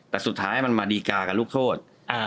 แต่สุดท้ายมันมาดีกากับลูกโทษ